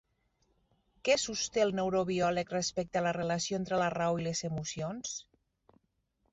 Què sosté el neurobiòleg respecte a la relació entre la raó i les emocions?